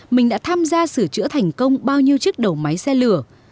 mình đã tham gia sửa chữa thành công bao nhiêu chiếc đầu máy xe lửa